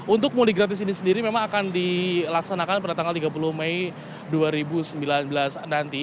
untuk mudik gratis ini sendiri memang akan dilaksanakan pada tanggal tiga puluh mei dua ribu sembilan belas nanti